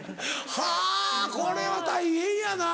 はぁこれは大変やな。